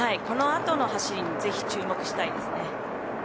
このあとの走りにぜひ注目したいですね。